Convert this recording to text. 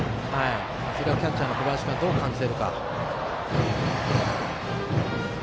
それをキャッチャーの小林君はどう感じているか。